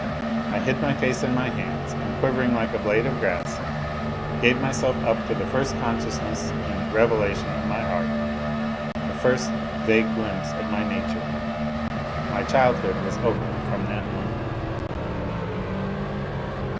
I hid my face in my hands, and quivering like a blade of grass, gave myself up to the first consciousness and revelation of my heart, the first vague glimpse of my nature. My childhood was over from that moment.